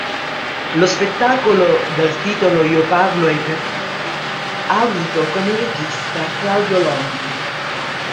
Lo spettacolo, dal titolo "Io parlo ai perduti", ha avuto come regista Claudio Longhi.